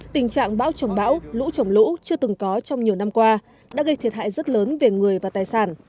tình trạng bão trồng bão lũ trồng lũ chưa từng có trong nhiều năm qua đã gây thiệt hại rất lớn về người và tài sản